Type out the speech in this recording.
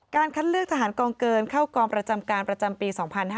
คัดเลือกทหารกองเกินเข้ากองประจำการประจำปี๒๕๕๙